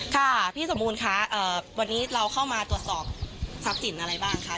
ค่ะพี่สมบูรณ์คะวันนี้เราเข้ามาตรวจสอบทรัพย์สินอะไรบ้างคะ